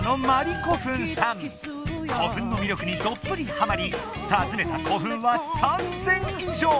古墳の魅力にどっぷりはまり訪ねた古墳は３０００以上！